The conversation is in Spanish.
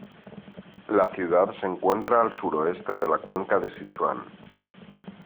La ciudad se encuentra al suroeste de la Cuenca de Sichuan.